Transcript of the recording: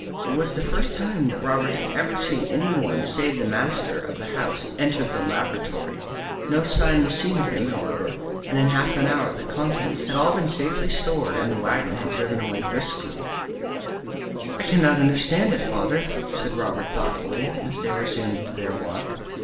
It was the first time that Robert had ever seen any one save the master of the house enter the laboratory. No sign was seen of him now, however, and in half an hour the contents had all been safely stored and the waggon had driven briskly away. "I cannot understand it, father," said Robert thoughtfully, as they resumed their walk.